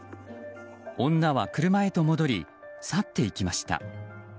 女は車へと戻り去っていきました。